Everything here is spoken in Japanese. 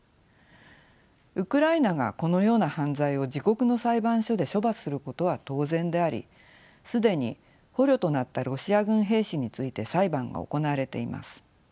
ウクライナがこのような犯罪を自国の裁判所で処罰することは当然であり既に捕虜となったロシア軍兵士について裁判が行われています。